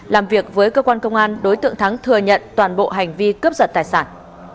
làm việc với cơ quan công an đối tượng thắng thừa nhận toàn bộ hành vi cướp giật tài sản